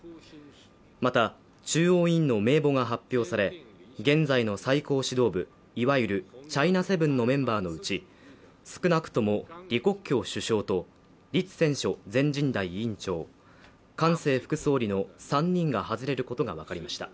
また中央委員の名簿が発表され、現在の最高指導部、いわゆるチャイナセブンのメンバーのうち、少なくとも、李克強首相と栗戦書全人代委員長、韓正副総理の３人が外れることが分かりました。